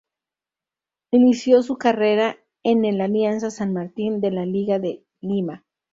Inició su carrera en el Alianza San Martín de la Liga de Lima.